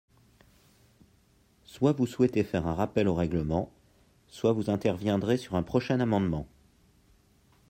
Soit vous souhaitez faire un rappel au règlement, soit vous interviendrez sur un prochain amendement.